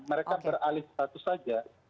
mereka beralih status saja